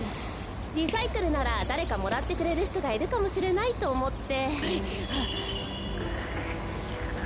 リサイクルならだれかもらってくれるひとがいるかもしれないとおもって。